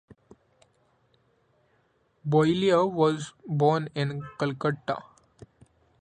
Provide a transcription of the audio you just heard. Boileau was born in Calcutta.